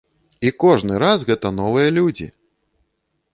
І кожны раз гэта новыя людзі!